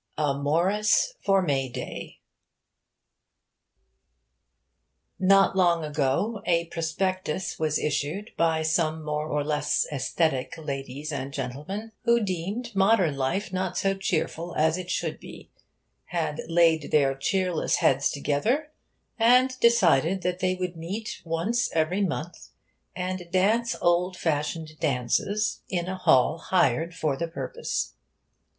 A MORRIS FOR MAY DAY Not long ago a prospectus was issued by some more or less aesthetic ladies and gentlemen who, deeming modern life not so cheerful as it should be, had laid their cheerless heads together and decided that they would meet once every month and dance old fashioned dances in a hall hired for the purpose.